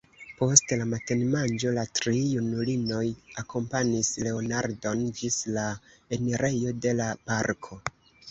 Post la matenmanĝo la tri junulinoj akompanis Leonardon ĝis la enirejo de la parko.